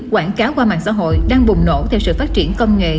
quảng cáo qua mạng xã hội đang bùng nổ theo sự phát triển công nghệ